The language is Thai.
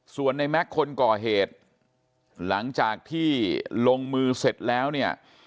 ส่วนในแม็กซ์คนก่อเหตุหลังจากที่ลงมือเสร็จแล้วเนี่ย